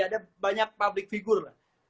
ada banyak publik figur